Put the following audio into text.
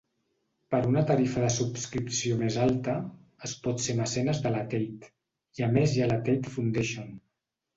Per una tarifa de subscripció més alta, es pot ser mecenes de la Tate, i a més hi ha la Tate Foundation.